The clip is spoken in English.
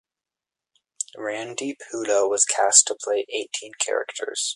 Randeep Hooda was cast to play eighteen characters.